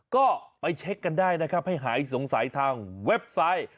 ก็ไปเช็คกันได้นะครับให้หายสงสัยทางเว็บไซต์